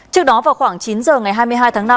trước đó vào khoảng chín h ngày hai mươi hai tháng năm